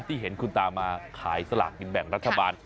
ที่เห็นคุณตามาขายสลากกินแบ่งรัฐบาล